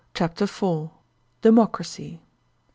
CHAPTER IV. Democracy.